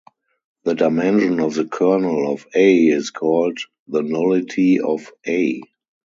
The dimension of the kernel of "A" is called the nullity of "A".